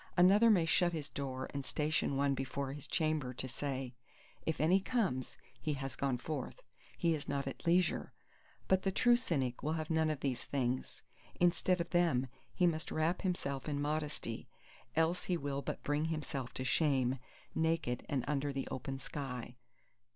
Another may shut his door and station one before his chamber to say, if any comes, He has gone forth! he is not at leisure! But the true Cynic will have none of these things; instead of them, he must wrap himself in Modesty: else he will but bring himself to shame, naked and under the open sky.